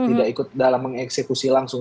tidak ikut dalam mengeksekusi langsung